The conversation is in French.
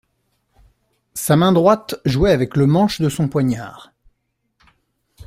Sa main droite jouait avec le manche de son poignard.